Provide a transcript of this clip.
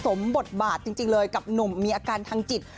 ตัวเนี่ยแม้สมบทบาทจริงเลยกับหนุ่มมีอาการทางจิต